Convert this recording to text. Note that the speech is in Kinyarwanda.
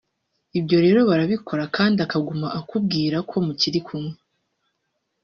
Ibyo rero barabikora kandi akaguma akakubwira ko mukiri kumwe